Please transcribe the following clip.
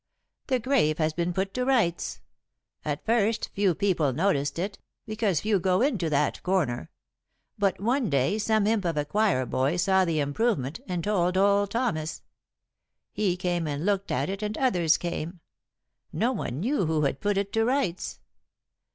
The grave has been put to rights. At first few people noticed it, because few go into that corner; but one day some imp of a choir boy saw the improvement, and told old Thomas. He came and looked at it, and others came. No one knew who had put it to rights.